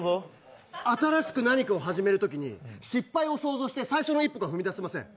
新しく何かを始めるときに失敗を想像して最初の一歩が踏み出せません。